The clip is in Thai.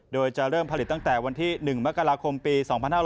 โดยจะเริ่มผลิตตั้งแต่วันที่๑มกราคมปี๒๕๖๐